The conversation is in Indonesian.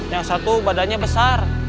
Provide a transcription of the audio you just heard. yang satu badannya besar